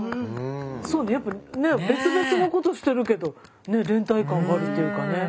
そうね別々のことしてるけど連帯感があるっていうかね。